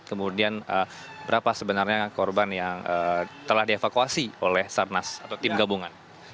kemudian berapa sebenarnya korban yang telah dievakuasi oleh sarnas atau tim gabungan